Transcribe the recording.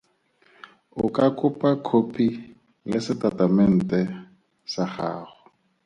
O ka kopa khopi ya setatamente sa gago.